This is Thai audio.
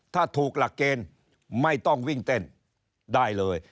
ถ้าถูกหลักเกณฑ์ไม่ต้องวิ่งเต้นได้เลย